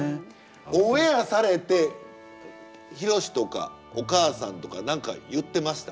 オンエアされて博とかお母さんとか何か言ってました？